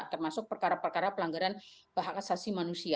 termasuk perkara perkara pelanggaran hak asasi manusia